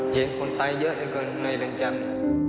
เห็นคนตายเยอะกว่าในเรือนจำ